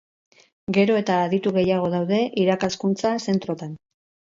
gero eta aditu gehiago daude irakaskuntza zentroetan